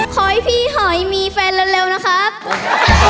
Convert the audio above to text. ขอให้พี่หอยมีแฟนเร็วนะครับ